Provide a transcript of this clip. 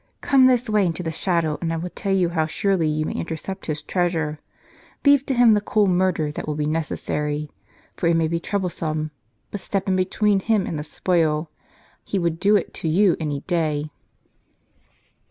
Come this way into the shadow, and I will tell you how surely you may intercept his treasure. Leave to him the cool murder that will be necessary, for it may be troublesome ; but step in between him and the spoil. He would do it to you any day."